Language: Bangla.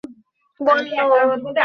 নিসার আলি বললেন, বলুন, বিড়ালটা কী বলল।